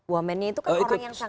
wamennya itu kan orang yang sangat